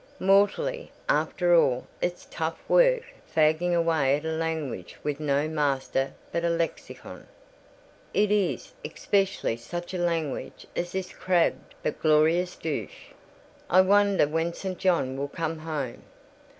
"Mortally: after all, it's tough work fagging away at a language with no master but a lexicon." "It is, especially such a language as this crabbed but glorious Deutsch. I wonder when St. John will come home."